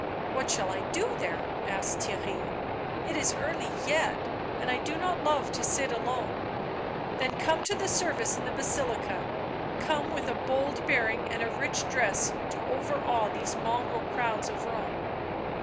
"What shall I do there?" asked Theirry. "It is early yet, and I do not love to sit alone." " Then come to the service in the Basilica — come with a bold bearing and a rich dress to overawe these mongrel crowds of Rome."